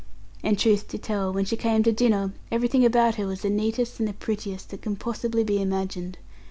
And truth to tell, when she came to dinner, everything about her was the neatest and prettiest that can possibly be imagined.